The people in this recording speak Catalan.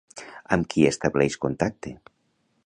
Amb qui estableix contacte?